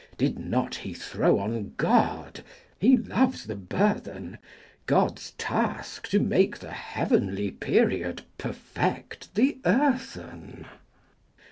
did not he throw on God, (He loves the burthen) God's task to make the heavenly period Perfect the earthen?